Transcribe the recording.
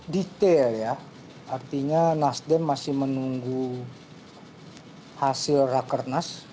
detail ya artinya nasdem masih menunggu hasil rakernas